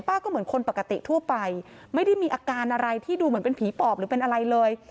ก็เหมือนคนปกติทั่วไปไม่ได้มีอาการอะไรที่ดูเหมือนเป็นผีปอบหรือเป็นอะไรเลย